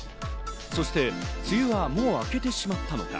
そして梅雨はもう明けてしまったのか。